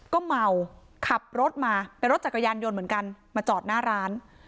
ก็เมาขับรถมาเป็นรถจักรยานยนต์เหมือนกันมาจอดหน้าร้าน